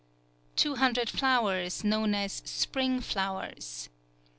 Two hundred flowers, known as spring flowers.